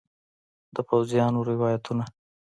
د پوځیانو روایتونه